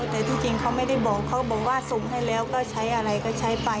แต่ที่จริงเขาไม่ได้บอกเขาบอกว่าส่งให้แล้วก็ใช้อะไรก็ใช้ไป